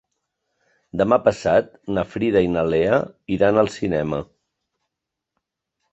Demà passat na Frida i na Lea iran al cinema.